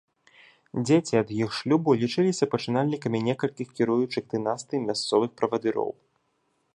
Дзеці ад іх шлюбу лічыліся пачынальнікамі некалькіх кіруючых дынастый мясцовых правадыроў.